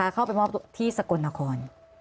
เข้าไปมอบตัวที่สกลนคร